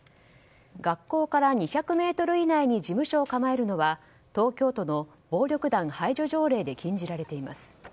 学校から２００ｍ以内に事務所を構えるのは東京都の暴力団排除条例で禁じられています。